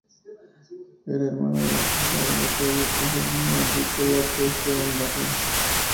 Era hermano de Baltazar Báthory y sobrino del rey polaco Esteban I Báthory.